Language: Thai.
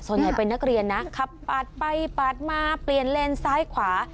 ส่วนใหญ่เป็นนักเรียนนะขับปาดไปปาดมาเปลี่ยนเลนซ้ายขวา